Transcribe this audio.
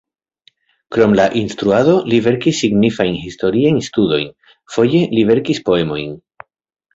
Krom la instruado li verkis signifajn historiajn studojn, foje li verkis poemojn.